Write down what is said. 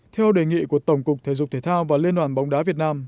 theo đề nghị của tổng cục thể dục thể thao và liên đoàn bóng đá việt nam